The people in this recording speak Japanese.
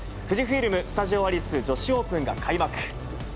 富士フイルム・スタジオアリス女子オープンが開幕。